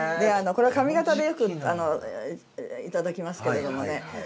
これ上方でよく頂きますけれどもね。